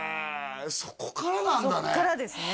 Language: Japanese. そこからなんだね